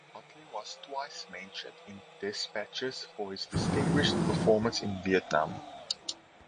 Hartley was twice Mentioned in Despatches for his distinguished performance in Vietnam.